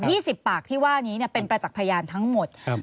สิบปากที่ว่านี้เนี่ยเป็นประจักษ์พยานทั้งหมดครับ